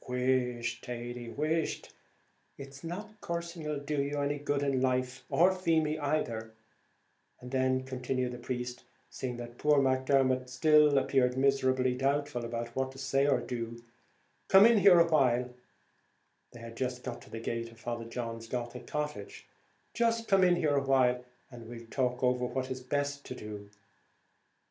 "Whisht, Thady, whisht! it's not cursing 'll do you any good in life, or Feemy either;" and then continued the priest, seeing that poor Macdermot still appeared miserably doubtful what to say or do, "come in here awhile," they had just got to the gate of Father John's Gothic cottage, "just come in here awhile, and we'll talk over what will be best to do."